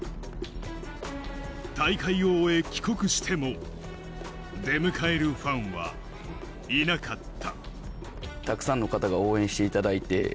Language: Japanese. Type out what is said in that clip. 大会を終え、帰国しても、出迎えるファンはいなかった。